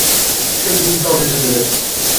শহরটা শেষ হয়ে যাচ্ছে।